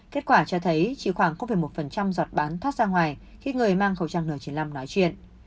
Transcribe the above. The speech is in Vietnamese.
kết quả cho thấy chỉ khoảng một giọt bán thoát ra ngoài khi người mang khẩu trang n chín mươi năm nói chuyện